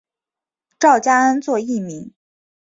赵佳恩作艺名。